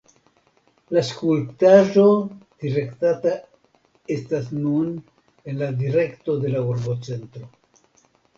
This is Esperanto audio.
La skulptaĵo direktata estas nun en la direkto de la urbocentro.